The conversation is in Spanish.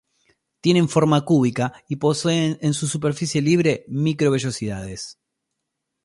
Tienen forma cúbica y poseen en su superficie libre microvellosidades.